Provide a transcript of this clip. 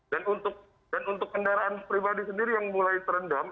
dan untuk kendaraan pribadi sendiri yang mulai terendam